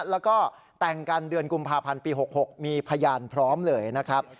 แล้วก็แต่งกันเดือนกุมภาพันธ์ปี๖๖มีพยานพร้อมเลยนะครับ